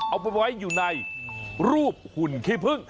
เอาไปไว้อยู่ในรูปหุ่นขี้พึ่ง